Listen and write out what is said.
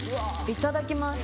いただきます。